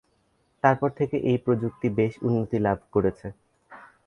তারপর থেকে এই প্রযুক্তি বেশ উন্নতি লাভ করেছে।